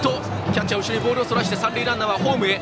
キャッチャー後ろにボールをそらして三塁ランナーはホームへ。